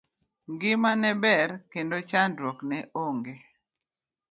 Ngima ne ber kendo chandruok ne onge.